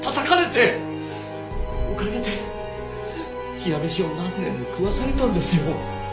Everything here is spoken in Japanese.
おかげで冷や飯を何年も食わされたんですよ。